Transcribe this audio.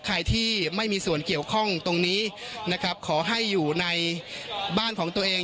ใครที่ไม่มีส่วนเกี่ยวข้องตรงนี้นะครับขอให้อยู่ในบ้านของตัวเอง